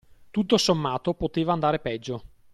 Tutto sommato poteva andare peggio.